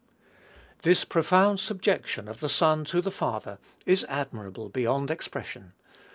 This profound subjection of the Son to the Father is admirable beyond expression.